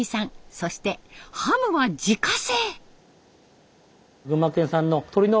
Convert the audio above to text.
そしてハムは自家製！